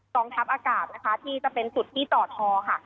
กองทัพอากาศที่จะเป็นสุดที่ตอดภอค่ะ